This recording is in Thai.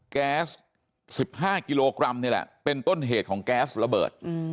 แก๊ส๑๕กิโลกรัมนี่แหละเป็นต้นเหตุของแก๊สระเบิด